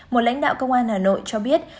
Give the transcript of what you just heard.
một lãnh đạo công an hà nội cho biết